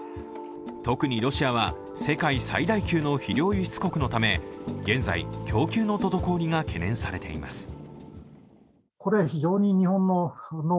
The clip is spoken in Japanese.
特にロシアは世界最大級の肥料輸出国のため、現在、供給の滞りが懸念されています。